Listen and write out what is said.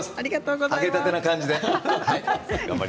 揚げたてな感じで。